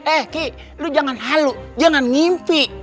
eh ki lu jangan halu jangan mimpi